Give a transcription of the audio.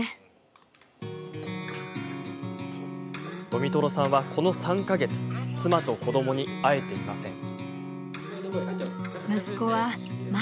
ドミトロさんは、この３か月妻と子どもに会えていません。